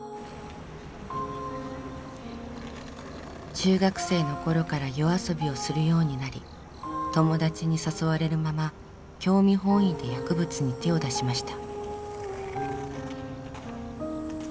中学生の頃から夜遊びをするようになり友達に誘われるまま興味本位で薬物に手を出しました。